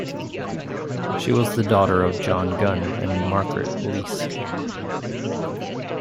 She was the daughter of John Gunn and Margaret Leask.